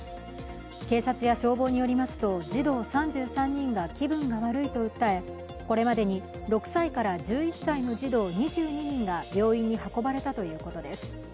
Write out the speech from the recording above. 警察や消防によりますと児童３３人が気分が悪いと訴え、これまでに６歳から１１歳の児童２２人が病院に運ばれたということです。